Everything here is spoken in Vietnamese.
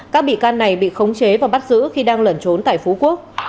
các bị can này bị khống chế và bắt giữ khi đang lẩn trốn tại phú quốc